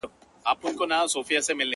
نعمتونه د پېغور او د مِنت یې وه راوړي,